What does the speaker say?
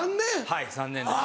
はい３年です。